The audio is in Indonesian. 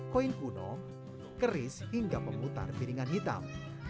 koin kuno keris hingga pemutar piringan hitam